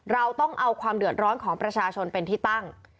เราต้องเอาความเดือดร้อนของประชาชนเป็นที่ตั้ง